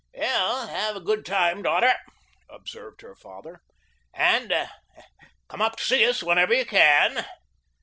"Well, have a good time, daughter," observed her father; "and come up to see us whenever you can."